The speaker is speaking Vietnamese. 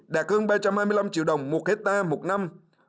đạt hơn ba trăm hai mươi năm triệu đồng một hectare một năm